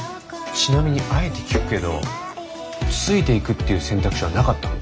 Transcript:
ちなみにあえて聞くけどついていくっていう選択肢はなかったの？